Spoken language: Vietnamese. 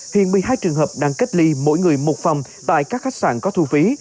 hiện một mươi hai trường hợp đang cách ly mỗi người một phòng tại các khách sạn có thu phí